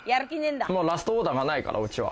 ラストオーダーがないから、うちは。